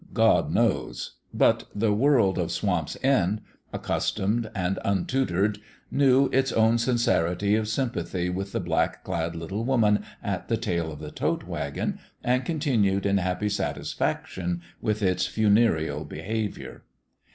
God knows ! But the world of Swamp's End, accustomed and untutored, knew its own sin cerity of sympathy with the black clad little woman at the tail of the tote wagon, and con tinued in happy satisfaction with its funereal be haviour.